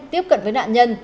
tiếp cận với nạn nhân